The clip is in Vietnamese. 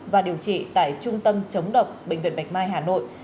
và điều trị tại trung tâm chống độc bệnh viện bạch mai hà nội